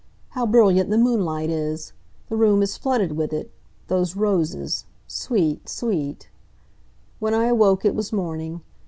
How brilliant the moonlight is! The room is flooded with it. Those roses sweet! sweet! " When I awoke it was morning.